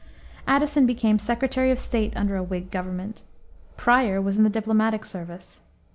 Addison became Secretary of State under a Whig government. Prior was in the diplomatic service.